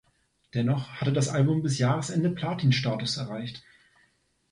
Dennoch hatte das Album bis Jahresende Platinstatus erreicht.